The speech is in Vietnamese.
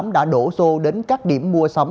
đã đổ xô đến các điểm mua sắm